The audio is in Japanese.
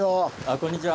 こんにちは。